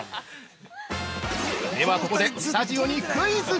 ◆では、ここでスタジオにクイズ！